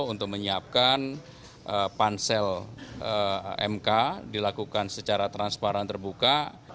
untuk menyiapkan pansel mk dilakukan secara transparan terbuka